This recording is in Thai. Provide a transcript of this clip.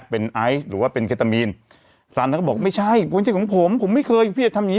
เป็นไอด์ก์หรือว่าเป็นเครตามิน